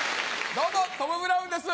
どうもトム・ブラウンです